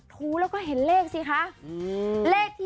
ตรงกับอะไรเลยนะ